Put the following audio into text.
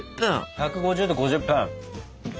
１５０℃で５０分。